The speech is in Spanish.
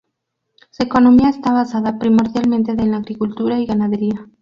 Su economía está basada primordialmente en la agricultura y ganadería.